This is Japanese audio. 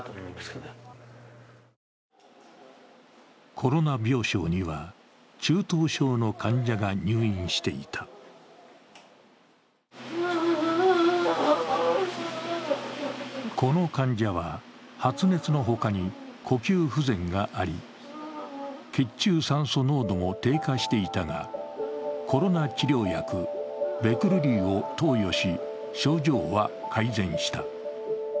コロナ病床には中等症の患者が入院していたこの患者は発熱のほかに、呼吸不全があり、血中酸素濃度も低下していたがコロナ治療薬ベクルリーを投与し、症状は改善した。